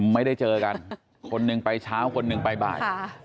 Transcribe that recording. ไม่ได้เจอกันคนหนึ่งไปเช้าคนหนึ่งไปบ่าย